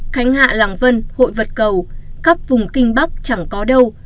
khánh hạ làng vân hội vật cầu khắp vùng kinh bắc chẳng có đâu